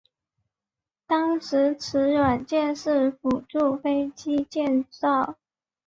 当时此软件是辅助飞机建造。